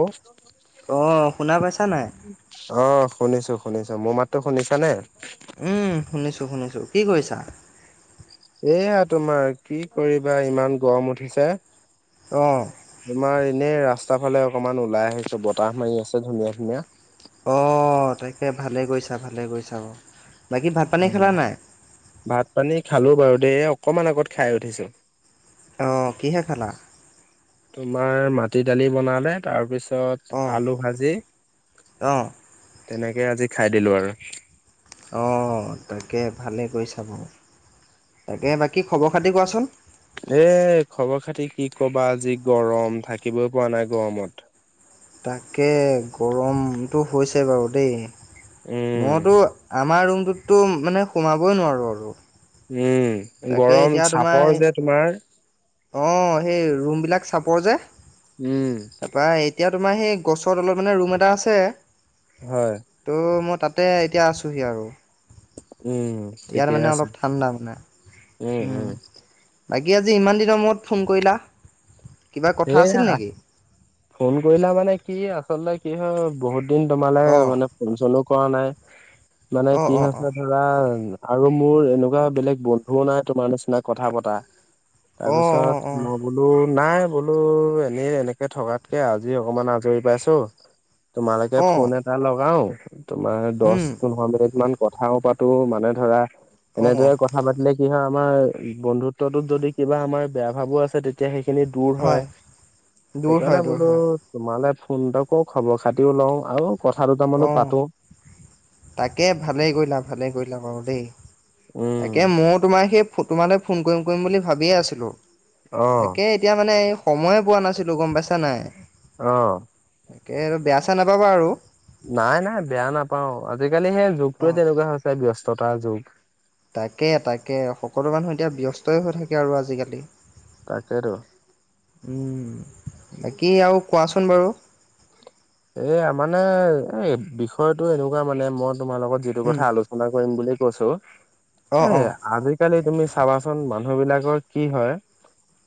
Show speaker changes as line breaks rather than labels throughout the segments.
অ
অ শুনা পাইছা নাই?
অ শুনিছোঁ শুনিছোঁ মোৰ মাততো শুনিছা নে?
উম শুনিছোঁ শুনিছোঁ কি কৰিছা?
এয়া তোমাৰ কি কৰিবা ইমান গৰম উঠিছে।
অ',
তোমাৰ এনে ৰাস- ৰাস্তাৰ ফালে অকণমান ওলাই আহিছোঁ বতাহ মাৰি আছে ধুনীয়া ধুনীয়া।
অ তাকে ভালে কৰিছা ভালে কৰিছা অ
উ ভাত, পানী খালোঁ বাৰু দেই অকমান আগত খাই উঠিছোঁ।
অ কিহে খালা?
তোমাৰ মাটি দালি বনালে তাৰ পিছত- পিছত
অ',
আলু ভাজি-
অ',
তেনেকে আজি খাই দিলোঁ আৰু-
অ', তাকে ভালে কৰি চাব তাকে বাকী খবৰ খাতি কোৱাচোন?
এ খবৰ খাতি কি কবা আজি গৰম থাকিবই পৰা নাই গৰমত-
তাকে গৰমটো হৈছে বাৰু দেই।
উম
মইতো আমাৰ ৰুমটোততো মানে সোমাবই নোৱাৰোঁ আৰু।
উম।
তাকে
গৰম
এতিয়া
চাপৰ যে
তোমাৰ অ সেই ৰুমবিলাক চাপৰ যে।
উম।
তাৰপৰা এতিয়া তোমাৰ সেই গছৰ তলত মানে ৰুম এটা আছে
হয়
ত' মই তাতে এতিয়া আছোঁহি আৰু
উম
ইয়াত
ঠিকে
মানে
আছে।
অলপ ঠাণ্ডা, মানে
উম উম!
বাকী আজি ইমান দিনৰ মূৰত ফোন কৰিলা। কিবা কথা
এ
আছিল নেকি
ফোন কৰিলা মানে কি আচলতে কি হয় ।বহুত দিন তোমালে
অঁ
মানে ফোন চোনো কৰা নাই মানে
অঁ
কি
অঁ অঁ
হৈছে ধৰা- আৰু মোৰ এনেকুৱা বেলেগ বন্ধুও নাই তোমাৰ নিচিনা কথা পতা- তাৰপিছত
অঁ অঁ অঁ
মই বোলোঁ নাই। বোলোঁ এনেই এনেকে থকাতকে আজি অকনমান আজৰি পাইছোঁ? তোমালৈকে
অঁ
ফোন এটা লগাও তোমাৰ দহ
উম
পোন্ধৰ মিনিট মান। কথাও পাতো মানে ধৰা
অঁ
এনেদৰে কথা পাতিলে কি হয়। আমাৰ বন্ধুত্বটোত যদি কিবা আমাৰ বেয়া ভাবো আছে তেতিয়া সেইখিনিত? দূৰ হয়
দূৰ হয়
সেইকাৰণে
দূৰ
বোলোঁ
হয়
তোমালে? ফোনটাও কৰোঁ খবৰ খাতিও লওঁ আৰু। কথা
অ
দুটামানো পাতো।
তাকে ভালেই কৰিলা ভালেই কৰিলা বাৰু দেই।
উম
তাকে ময়ো তোমাৰ সেই তোমালৈ ফোন কৰিম কৰিম বুলি ভাবিয়ে আছিলোঁ?
অ
তাকে এতিয়া মানে সময়ে পোৱা নাছিলোঁ গম পাইছা নাই।
অহ
তাকে বেয়া চেয়া নাপাবা আৰু।
নাই নাই বেয়া নাপাওঁ আজিকালি সেই যুগটোৱে
অঁ
তেনেকুৱা হৈছে ব্যস্ততাৰ যুগ।
তাকে তাকে সকলো মানুহ এতিয়া ব্যস্তই হৈ থাকে আৰু আজিকালি!
তাকেতো
উম বাকী আৰু কোৱাচোন? চোন বাৰু।
এ মানে এ বিষয়টো এনেকুৱা মানে মদ। তোমাৰ লগত যিটো
উম,
কথা আলোচনা কৰিম বুলি কৈছোঁ এ
অ', অ',
আজিকালি তুমি। চাবাচোন মানুহ বিলাকৰ কি হয়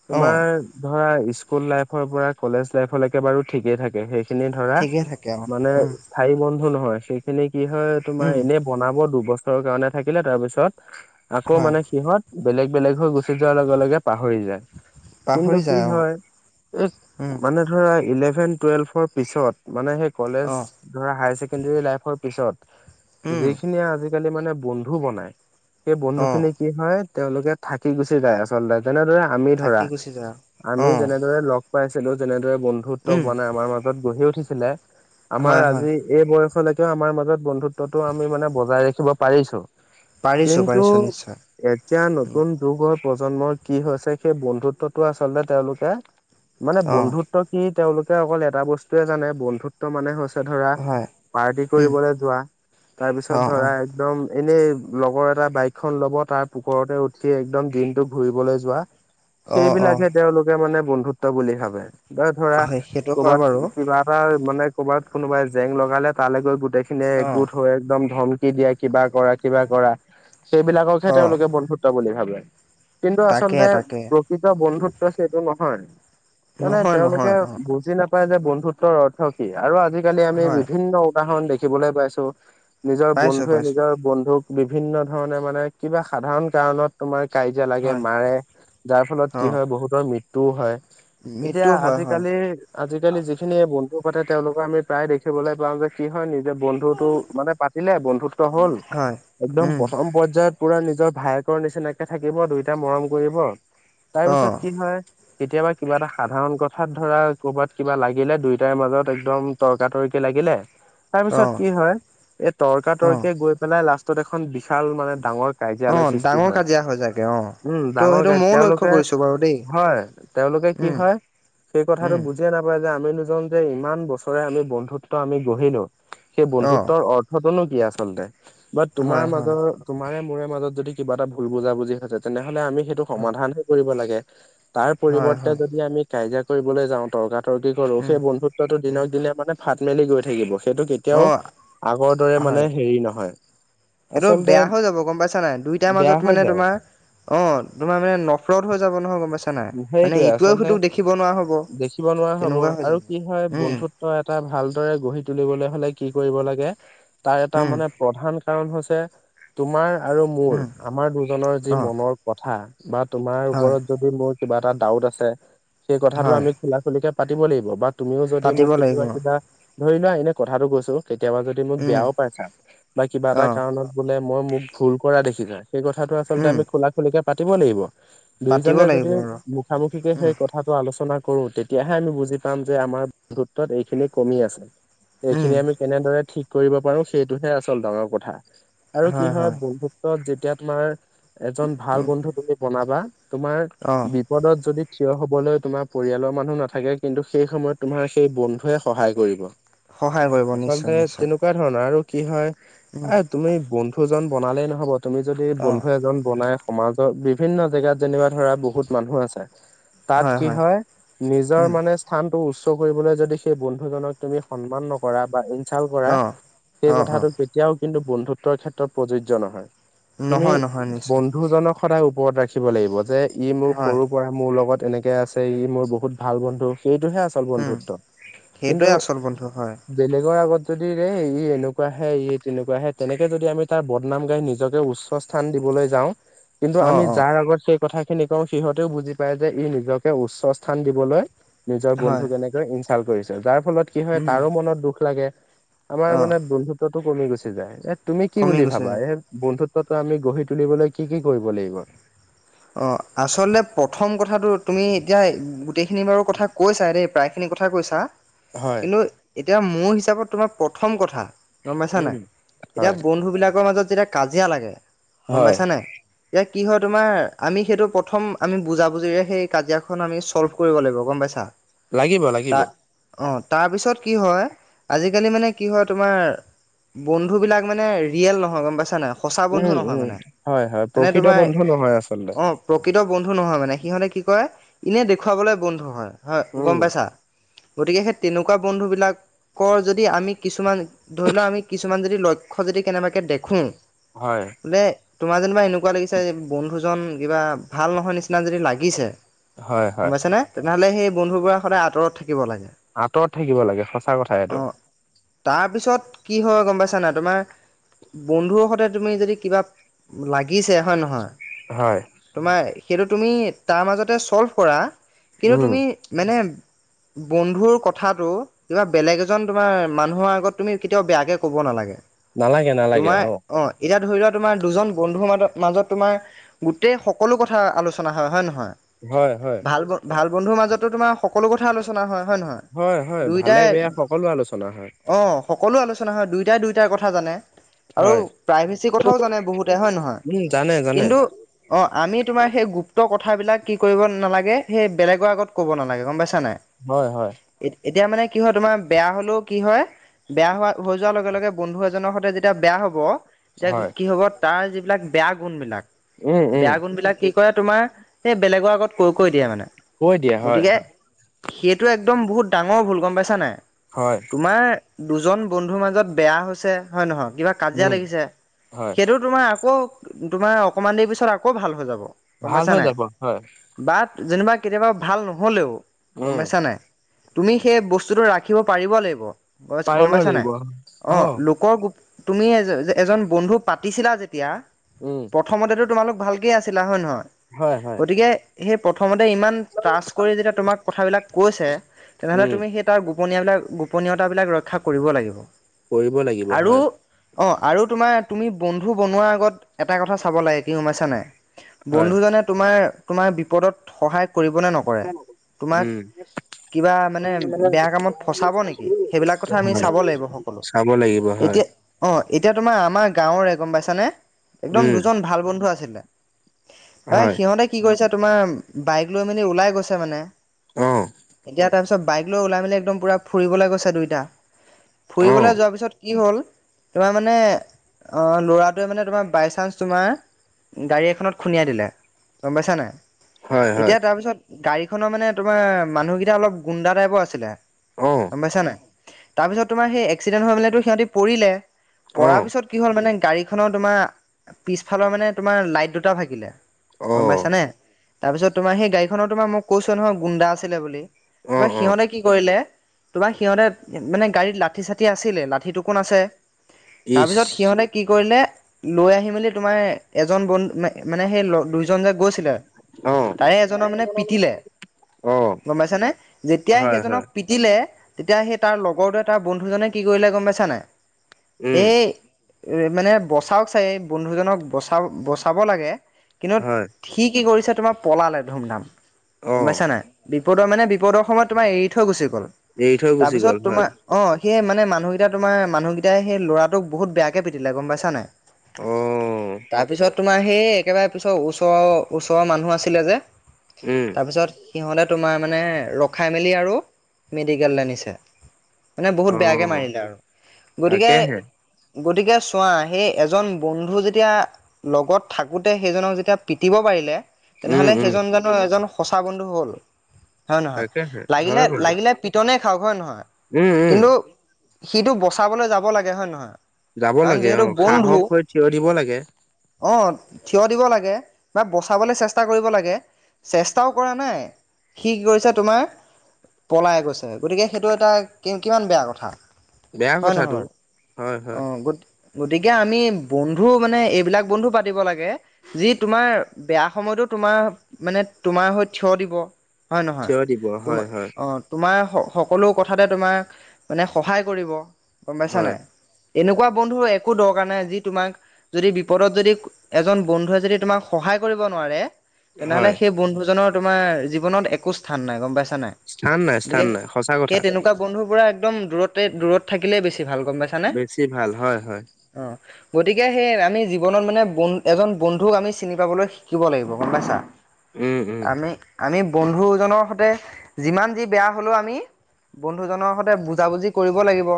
তোমাৰ
অ',
ধৰা। স্কুল লাইফৰ পৰা কলেজ লাইফলৈকে বাৰু ঠিকেই থাকে সেইখিনিত। ধৰা
ঠিকে থাকে অ',
মানে
উম,
স্থায়ী বন্ধু নহয় সেইখিনি কি হয় তোমাৰ
উম,
এনে বনাব দুবছৰ। কাৰণে থাকিলে তাৰ পিছত আকৌ
হয়,
মানে সিহত। বেলেগ বেলেগ হৈ গুচি যোৱাৰ লগে লগে পাহৰি যায়। কিন্তু
পাহৰি
কি
যায় অ',
হয় এই
উম,
মানে ধৰা ইলেভেন টুৱেলভৰ। পিছত মানে সেই কলেজ
অ',
ধৰা হায় ছেকেণ্ডৰ লাইফৰ পিছত
উম,
যিখিনি আজি। আজিকালি মানে বন্ধু বনাই সেই বন্ধু
অ',
খিনি কি হয়। তেওঁলোকে থাকি গুচি যায় আচলতে যেনেদৰে আমি ধৰা
থাকি গুচি যায় অ',
আমি
অ',
যেনেদৰে লগ। পাইছিলো যেনেদৰে বন্ধুত্ব
উম,
মানাই আমাৰ মাজত গঢহি উঠিছিলে? আমাৰ
হয়, হয়,
আজি এই বয়সলৈকেও আমাৰ মাজত বন্ধুত্বটো আমি মানে বজাই ৰাখিব পাৰিছো?
পাৰিছোঁ,
কিন্তু
পাৰিছোঁ নিশ্চয়
এতিয়া
উম,
নতুন যুগত। প্ৰজন্মৰ কি হৈছে সেই বন্ধুত্বটো আচলতে তেওঁলোকে মানে
অ',
বন্ধুত্ব কি। তেওঁলোকে অকল এটা বস্তুয়ে জানে বন্ধুত্ব মানে হৈছে। ধৰা
হয়,
পাৰ্টি
উম,
কৰিবলৈ যোৱা তাৰ পিছত
অ',
ধৰা
অ',
একদম। এনেই লগৰ এটা বাইক খন লব তাৰ পুখৰতে উঠি একদম দিনটো ঘুৰিবলৈ যোৱা।
অ', অ',
সেইবিলাকে তেওঁলোকে মানে বন্ধুত্ব বুলি ভাবে বা ধৰা
হয়, সেইটো হয়
ক'বাত।
বাৰু
কিবা এটা মানে ক'ৰবাত কোনোবাই জেং লগালে তালৈ গৈ গোটেইখিনিয়ে
অ',
একগোট হৈ একদম ধন। দিয়া কিবা কৰা কিবা কৰা সেইবিলাককহে
অ',
তেওঁলোকে বন্ধুত্ব বুলি ভাবে। কিন্তু
তাকে,
আচলতে
তাকে
প্ৰকৃত বন্ধুত্ব সেইটো নহয়। মানে
নহয়,
তেওঁলোকে
নহয় অ',
বুজি নাপ। পাই যে বন্ধুত্বৰ অৰ্থ কি আৰু আজিকালি আমি
হয়,
বিভিন্ন উদাহৰণ দেখিবলৈ পাইছো? নিজৰ
পাইছোঁ,
বন্ধুৱে
পাইছোঁ
নিজৰ বন্ধুক বিভিন্ন ধৰণে মানে কিবা সাধাৰণ কাৰণত তোমাৰ। কাজিয়া লাগে
হয়,
মাৰে যাৰ ফলত কি
অ',
হয় বহুতৰ মৃত্যুও হয়। এতিয়া
মৃত্যু হয়, হয়,
আজিকালি আজিকালি যি। বন্ধু পাতে তেওঁলোকৰ আমি প্ৰায় দেখিবলৈ পাওঁ যে কি হয় নিজ। যে বন্ধুতটো মানে পাতিলে বন্ধুত্ব হ'ল
হয়,
একদম
উম,
প্ৰথম পৰ্যায়ত। পুৰা নিজৰ ভায়েকৰ নিচিনাকে থাকিব দুইটা মৰম কৰিব তাৰ পিছত
অ',
কি হয়। কেতিয়াবা কিবা এটা সাধাৰণ কথাত ধৰা কৰ'বাত কিবা লাগ। লাগিলে দুইটাৰ মাজত একদম তৰ্কাতৰ্কি লাগিলে? তাৰ পিছত
অ',
কি হয় এই তৰ্কা
অ',
তৰ্কি গৈ পেলাই লাষ্টত এখন। বিশাল মানে ডাঙৰ কাজিয়ালয়
অ',
সৃষ্টি
ডাঙৰ
হয়
কাজিয়া হৈ যায়গে অ',
উম
ত'
ডাঙৰ ক
সেইটো ময়ো লক্ষ্য
তেওঁলোকে?
কৰিছোঁ বাৰু দেই।
হয় তেওঁলোকে কি
উম,
হয় সেই কথাটো
উম,
বুজিয়ে নাপায় আমিজন যে ইমান বছৰে আমি বন্ধুত্ব আমি গঢ়িলো সেই
অ',
বন্ধুত্বৰ অৰ্থতোনো [unintelligible] কি আচলতে বাট তোমাৰ
হয়, হয়,
মাজৰ তোমাৰে মোৰে মাজত যদি কিবা এটা ভুল বুজা বুজি তেনেহলে আমি সেইটো
হয়,
সমাধান হে কৰিব লাগে। তাৰ
হয়,
পৰিৱৰ্তে
হয়,
যদি আমি কাজিয়া কৰিবলৈ যাওঁ তৰ্ক তৰ্কি কৰো
উম,
সেই বন্ধুত্বটো
উম,
দিনক দিনে মানে। ফাট মেলি গৈ থাকিব সেইটো কেতিয়াও
অ',
আগৰ দৰে মানে হেৰি নহয়
এইটো
আচলতে
বেয়া হৈ যাব গম পাইছা নাই দুইটাৰ
বেয়া
মাজত
হৈ
মানে
যায়
তোমাৰ অ তোমাৰ মানে নফলত হৈ যাব নহয় গম পাইছা নাই মানে
সেইটোৱে
ইটোয়ে
আচলতে
সিটোক দেখিব নোৱাৰা হ'ব।
দেখিব নোৱাৰা হব
তেনেকুৱা হৈ
আৰু
যাব
কি হয়
উম,
বন্ধুত্ব এটা ভালদৰে গঢ়ি তুলিবলৈ হলে কি কৰিব লাগে তাৰ এটা
উম,
মানে প্ৰধান কাৰণ হৈছে তোমাৰ আৰু মোৰ
উম,
আমাৰ দুজনৰ যি
অ',
মনৰ কথা বা তোমাৰ
হয়,
ওপৰত যদি মোৰ কিবা এটা ডাউট আছে সেই কথাটো
হয়,
আমি খোলা খুলিকে পাতিব লাগিব বা তুমিও যদি
পাতিব
মোক
লাগিব
কেতিয়াবা কিবা ধৰি লোৱা এনে কথাটো কৈছো কেতিয়াবা যদি মোক
উম,
বেয়াও পাইছা বা কিবা এটা
অ',
কাৰনত বোলে মই মোক ভুল কৰা দেখি যায় সেই কথাটো আচলতে
উম,
আমি খোলা খুলিকে পাতিব লাগিব
পাতিব
দুইজনে যদি
লাগিব আৰু
মুখামুখিকে
উম,
সেই কথাটো আলোচনা কৰো তেতিয়াহে আমি বুজি পাম যে আমাৰ বন্ধুত্বত এইখিনি কমি আছে
উম,
এইখিনি আমি কেনেদৰে ঠিক কৰিব পাৰো সেইটোহে আচল ডাঙৰ কথা আৰু কি হয় বন্ধুত্ব যেতিয়া তুমাৰ এজন ভাল
উম,
বন্ধু তুমি বনাবা তোমাৰ
অ',
বিপদত যদি থিয় হবলৈ তোমাৰ পৰিয়ালৰ মানুহ নাথাকে কিন্তু সেই সময়ত তোমাৰ সেই বন্ধুৱে সহায় কৰিব ।
সহায় কৰিব নিশ্চয়
আচলতে
নিশ্চয়
তেনেকুৱা ধৰণৰ আৰু। কি হয়
উম
এ তুমি বন্ধুজন বনালেই নহব তুমি যদি
অঁ
বন্ধু এজন বনাই। সমাজৰ বিভিন্ন জেগাত যেনিবা ধৰা বহুত মানুহ আছে। তাত কি হয় নিজৰ
উম
মানে স্থানতটো উচ্চ। কৰিবলৈ যদি সেই বন্ধুজনক তুমি সন্মান নকৰা বা চাল কৰা
অঁ
সেই
অঁ অঁ
কথাটো কেতিয়াও কিন্তু বন্ধুত্বৰ ক্ষেত্ৰত প্ৰযোজ্য নহয়। তুমি
নহয় নহয় নিশ্চয়
বন্ধুজনক। সদায় ওপৰত ৰাখিব লাগিব যে ই মোৰ
হয়
সৰুৰ পৰা মোৰ লগত। তেনেকে আছে ই মোৰ বহুত ভাল বন্ধু সেইটোহে আচল
উম
বন্ধুত্ব কিন্তু
সেইটোৱে আচল বন্ধু হয়
বেলেগৰ আগত যদি ৰে ই এনেকুৱা আহে ই তেনেকুৱা আহে তেনেকে যদি আমি তাৰ বদনাম গাই নিজকে উচ্চ স্থান দিব। কিন্তু
অঁ
আমি
অঁ
যাৰ আগত কথা খিনি ক। সিহঁতেও বুজি পায় যে ই নিজকে উচ্চ স্থান দিবলৈ নিজৰ
হয়
বন্ধু কেনেকৈ। ভাল কৰিছে যাৰ ফলত কি হয়
উম
তাৰো মনত দুখ লাগে। আমাৰ
অঁ
মানে বন্ধুত্বটো কমি গুচি যায় এ তুমি কি
কমি
বুলি
গুচি
ভাবা
যাব
এই বন্ধুত্ব । আমি গঢ়ি তুলিবলৈ কি কি কৰিব লাগিব।
অ আচলতে প্ৰথম কথাটো তুমি এতিয়া গোটেইখিনি বাৰৰ কথা কৈছা দেই প্ৰায়। সেইখিনি কথা কৈছা
হয়
কিন্তু এতিয়া মোৰ হিচাপত তোমাৰ প্ৰথম কথা । গম পাইছা
উম
নাই এতিয়া
হয়
বন্ধুবিলাকৰ মাজত যেতিয়া কাজিয়া লাগে গম
হয়
পাইছানে এতিয়া । কি হয় তোমাৰ আমি সেইটো প্ৰথম আমি বুজাবুজিৰে সেই কাজিয়াখন আমি চল্ভ কৰিব লাগিব গম পাইছা ।
লাগিব লাগিব
অ তাৰপিছত কি হয় আজিকালি মানে কি হয় তোমাৰ। বন্ধু বিলাক মানে ৰিয়েল নহয় গম পাইছা না। সঁচা
উম
বন্ধু নহয়
উম
মানে
হয় হয়
এনে
প্ৰকৃত
তোমাৰ
বন্ধু নহয় আচলতে
অ প্ৰকৃত বন্ধু নহয় মানে সিহঁতে কি কৰে এনে দেখুৱাবলৈ বন্ধু হয়। হয় গম
উম
পাইছা গতিকে সেই তেনেকুৱা বন্ধুবিলাক। কৰ যদি আমি কিছুমান ধৰি লওক আমি কিছুমান যদি লক্ষ্য যদি কেনেবাকৈ দেখোঁ।
হয়
বোলে তোমাৰ যেনিবা এনেকুৱা লাগিছে বন্ধুজন। কিবা ভাল নহয় নিচিনা যদি লাগিছে।
হয় হয়।
নহ'লে সেই বন্ধুৰ পৰা সদায় আঁতৰত থাকে। থাকিব লাগে
আঁতৰত থাকিব লাগে সঁচা কথা
অ
এইটো
তাৰপিছত কি হ'ল। গম পাইছা না তোমাৰ বন্ধুৰ সতে তুমি যদি কিবা লাগিছে হয় নহয়।
হয়।
তোমাৰ সেইটো তুমি তাৰ মাজতে চল্ভ কৰা কিন্তু
উম
তুমি মানে। বন্ধুৰ কথাটো কিবা বেলেগ এজন তোমাৰ মানুহৰ আগত তুমি কেতিয়াও বেয়াকে ক'ব নালাগে।
নালাগে নালাগে
তোমাৰ অ এতিয়া ধৰি লোৱা তোমাৰ দুজন বন্ধু মাজ মাজত তোমাৰ গোটেই সকলো কথা আলোচনা হয় হয়ে নহয়।
হয় হয়।
ভাল ভাল বন্ধুৰ মাজতো তোমাৰ সকলো কথা আলোচনা হয়। হয় নহয়
হয় হয় ভালে
দুয়োটাই
বেয়া সকলো আলোচনা হয়
অঁ। সকলো আলোচনা হয় দুয়োটাই দুয়োটাৰ কথা জানে। আৰু
হয়।
প্ৰাইভেচি কথাও জানে বহুতে হয় নহয়
উম জানে জানে।
কিন্তু অ আমি তোমাৰ সেই গুপ্ত কথাবিলাক কি কৰিব নালাগে সেই বেলেগৰ আগত ক'ব নালাগে গম পাইছ। পাইছা
হয় হয়
নাই এতিয়া মানে। কি হয় তোমাৰ বেয়া হলেও কি হয় বেয়া হোৱা হৈ যোৱাৰ লগে লগে বন্ধু এজনৰ সৈতে যেতিয়া বেয়া হ'ব। এতিয়া
হয়
কি হ'ব তাৰ যিবিলাক বেয়া গুণ বিলাক
উম উম
বেয়া গুণ বিলাক কি হয় তোমাৰ এই বেলেগৰ আগত কৈ কৈ দিয়ে মানে।
কৈ দিয়া হয়
গতিকে
হয়।
সেইটো একদম বহুত ডাঙৰ ভুল গম পাইছা নাই
হয়
তোমাৰ দুজন বন্ধুৰ মাজত বেয়া হৈছে হয় নহয়। কিবা কাজিয়া
উম।
লাগিছে
হয়
সেইটো তোমাৰ আকৌ তোমাৰ অকমান দেৰি পিছত আকৌ ভাল হৈ যাব। গম
ভাল
পাইছা
হৈ
নাই
যাব হয়
বাট যেনিবা কেতিয়াবা ভাল নহ'লেও গম
উম
পাইছা নাই। তুমি সেই বস্তুটো ৰাখিব পাৰিব লাগিব। গ গম
পাৰিব
পাইছা নাই
লাগিব অ।
অঁ লোকৰ গো তুমি এজন বন্ধু পাতিছিলা যেতিয়া
উম
প্ৰথমতেটো তোমালোক ভালকে আছিলা হয় নহয়
হয় হয়
গতিকে সেই প্ৰথম প্ৰথমতে ইমান ট্ৰাচ কৰি যেতিয়া তোমাক কথাবিলাক কৈছে তেনেহলে
উম
তুমি সেই তাৰ গো গোপনীয়াবিলাক গোপনীয়তাবিলাক ৰক্ষা কৰিব লাগিব।
কৰিব লাগিব হয়।
অঁ আৰু তোমাৰ তুমি বন্ধু বনোৱাৰ আগত এটা কথা চাব লাগে কি গম পাইছা নাই।
হয়।
বন্ধুজনে তোমাৰ তোমাৰ বিপদত সহায় কৰিব নে নকৰে তোমাক
উম
কিবা মানে বেয়া কামত ফচাব নেকি সেইবিলাক কথা আমি
হয়
চাব লাগিব সকলো
চাব লাগিব হয়
এতিয়া অ এতিয়া তোমাৰ আমাৰ গাঁৱৰৰে গম পাইছানে একদম
উম
দুজন ভাল বন্ধু আছিলে। হয় সিহঁতে কি কৰিছে তোমাৰ বাইক লৈ মেলি ওলাই গৈছে মানে।
অহ
তাৰ পিছত বাইক লৈ ওলাই মেলি একদম পুৰা ফুৰিবলৈ গৈছে দুইটা
অ
ফুৰিবলৈ যোৱাৰ পিছত কি হ'ল। তোমাৰ মানে অ ল'ৰাটোৱে মানে তোমাৰ বাই চান্স তোমাৰ গাড়ী এখনত খুন্দিয়াই দিলে গম পাইছা নাই
হয় হয়
এতিয়া তাৰপিছত গাড়ীখনৰ মানে তোমাৰ মানুহকেইটা অলপ গুণ্ডা টাইপৰ আছিলে
অ
গম পাইছা নাই তাৰপিছত তোমাৰ সেই এক্সিডেন্ট হৈ মেলি ত সিহঁতি পৰিলে পৰাৰ
অ।
পিছত কি হ'ল মানে গাড়ীখনৰ তোমাৰ পিছফালৰ মানে তোমাৰ লাইট দুটা ভাগিলে
অ',
গম পাইছানে। তাৰপিছত তোমাৰ সেই গাড়ীখনৰ তোমাৰ মোক কৈছোয়ে নহয় গুন্দা আছিলে বুলি তাপা
অ', অ',
সিহঁতে কি কৰিলে। তোমাৰ সিহঁতে মানে গাড়ীত লাঠি চাঠি আছিলে লাঠিটো কোন আছে।
ইচ
তাৰপিছত সিহঁতে কি কৰিলে লৈ আহি মেলি তোমাৰ এজন বন্ধু মানে সেই ল দুইজন যে গৈ
অ'।
টিলে---তাৰে এজনক
তাৰে
মানে
এজনৰ
পিটিলে
অ',
। গম পাইছা নে? যেতিয়াই
হয়,
সেইজনক
হয়,
পিটিলে তেতিয়া সেই তাৰ লগৰটোৱে তাৰ বন্ধুজনে কি কৰিলে গম পাইছা নাই?
উম,
এই এ মানে বচাওক চাই, এ বন্ধুজনক বচা বচাব লাগে । কিন্তু
হয়,
সি কি কৰিছে, তোমাৰ পলালে ধুম-ধাম ।গম
অ',
পাইছা নাই? বি পদৰ মানে বিপদৰ সময়ত তোমাৰ এৰি থৈ গুচি গ'ল
এৰি থৈ
। তাৰ
গুচি
পিছত
গ'ল
তোমাৰ,
হয়।
অ সেই মানে মানুহকেইটা তোমাৰ মানুহকেটাই সেই ল'ৰাটোক বহুত বেয়াকে পিতিলে ।গম পাইছা নাই?
অঁ
তাৰপিছত তোমাৰ সেই একেবাৰে পিছৰ ওচৰ ওচৰৰ মানুহ আছিলে যে
উম,
তাৰপিছত? সিহঁতে তোমাৰ মানে, ৰখাই মেলি আৰু মেডিকেললে নিছে । মানে বহুত বেয়াকে
অ',
মাৰিলে আৰু গতিকে
তাকেহে
গতিকে চোৱা? সেই এজন বন্ধু যেতিয়া লগত থাকোতে সেইজনক যেতিয়া পিটিব পাৰিলে ।
উম,
তেনেহ'লে
উম,
সেইজন জানো এজন সঁচা বন্ধু হ'ল । হ'য়, নহয়?
তাকেহে
লাগিলে,
হয় বাৰু
লাগিলে পিটনে খাওক হ'য়, নহয়?
উম, উম,
কিন্তু সিটো বচাবলে যাবলাগে । হ'য়, নহয়?
যাব
কাৰণ
লাগে
যিহেতু
।অঁ, সাহস হৈ থিয় দিব লাগে ।
অঁ, থিয় দিব লাগে বা বচাবলে চেষ্টা কৰিব লাগে । চেষ্টাও কৰা নাই ।সি গৈছে তোমাৰ পলাই গৈছে ।গতিকে সেইটো এটা কি কিমান বেয়া কথা ।
বেয়া
হ'য় নহয়
কথাটো।
বাৰু?
হয়, হয়,
অঁ, গতিকে আমি বন্ধু মানে এইবিলাক বন্ধু পাতিব লাগে, যি তোমাৰ বেয়া সময়তো তোমাৰ মানে তোমাৰ হৈ থিয় দিব । হ'য় নহয়?
থিয় দিব
তোমা
হয়, হয়,
অ তোমাৰ স সকলো কথাতে তোমাক মানে সহায় কৰিব ।গম পাইছা
হয়,
নাই? এনেকোৱা বন্ধু একো দৰকাৰ নাই যি তোমাক যদি বি- পদত যদি এজন বন্ধুৱে যদি তোমাক সহায় কৰিব নোৱাৰে তেনেহ'লে
হয়।
সেই বন্ধুজনৰ তোমাৰ জীৱনত একো স্থান নাই ।গম পাইছা নাই?
স্থান নাই, স্থান
সেই-
নাই সঁচা
সেই
কথা
তেনেকোৱা বন্ধু বোৰে একদম দূৰতে দূৰত থাকিলেই বেছি ভাল। গম পাইছানে?
বেছি ভাল হয়, হয়,
অ দূৰত গতিকে সেই আমি জীৱনত মানে বন্ এজন বন্ধুক আমি চিনি পাবলৈ শিকিব লাগিব । গম পাইছা?
উম, উম।
আমি, আমি বন্ধুজনৰ সতে যিমান যি বেয়া হ'লেও আমি বন্ধু জনৰ সতে বুজাবুজি কৰিব লাগিব ।